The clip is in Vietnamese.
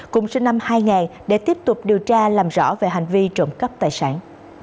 cùng sinh năm hai để tiếp tục điều tra làm rõ về hành vi trộm cắp tài sản